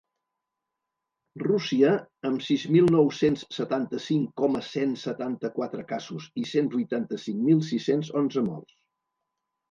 Rússia, amb sis mil nou-cents setanta-cinc coma cent setanta-quatre casos i cent vuitanta-cinc mil sis-cents onze morts.